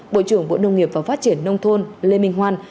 bộ trưởng bộ nông nghiệp và phát triển nông thôn lê minh hoan